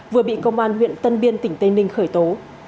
vừa bị công an huyện tân biên tỉnh tây ninh khởi tố